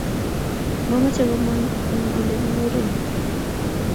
Mamache komangu end olegiruen